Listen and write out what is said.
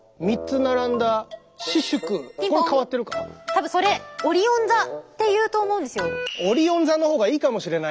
多分それオリオン座っていうと思うんですよ。